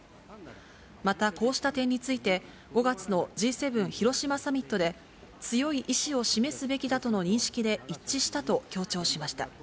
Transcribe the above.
また、こうした点について、５月のＧ７広島サミットで強い意志を示すべきだとの認識で一致したと強調しました。